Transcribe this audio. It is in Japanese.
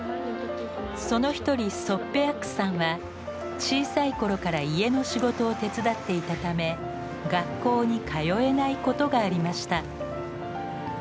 その一人ソッペアックさんは小さい頃から家の仕事を手伝っていたため学校に通えないことがありました。